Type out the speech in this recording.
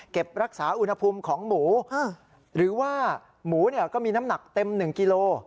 รักษาอุณหภูมิของหมูหรือว่าหมูก็มีน้ำหนักเต็ม๑กิโล